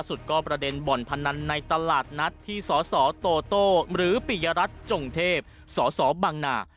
สุดก็ประเด็นบ่อนพนันในตลาดนัดที่สสโตโต้หรือปิยรัฐจงเทพสสบังนา